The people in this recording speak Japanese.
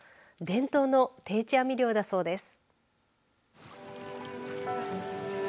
伝統の定置網漁だそうです。